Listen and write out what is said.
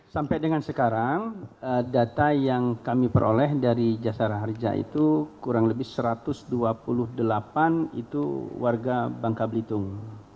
sampai dengan sekarang data yang kami peroleh dari jasara harja itu kurang lebih satu ratus dua puluh delapan itu warga bangka belitung